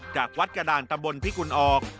จากวัดกระดานตำบลพิกุลออก